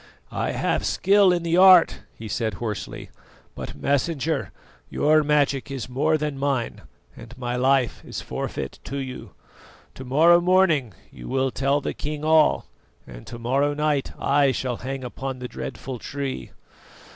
"I have skill in the art," he said hoarsely; "but, Messenger, your magic is more than mine, and my life is forfeit to you. To morrow morning, you will tell the king all, and to morrow night I shall hang upon the dreadful Tree.